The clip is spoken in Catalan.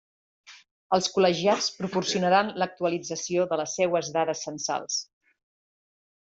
Els col·legiats proporcionaran l'actualització de les seues dades censals.